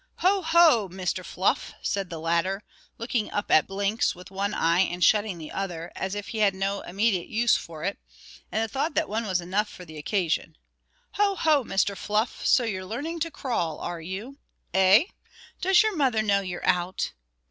"Ho! ho! Mr. Fluff," said the latter, looking up at Blinks with one eye and shutting the other, as if he had no immediate use for it, and thought that one was enough for the occasion. "Ho! ho, Mr. Fluff; so you're learning to crawl, are you? Eh? Does your mother know you're out?